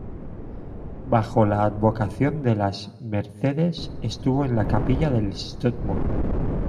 Bajo la advocación de las Mercedes estuvo en la capilla del Stmo.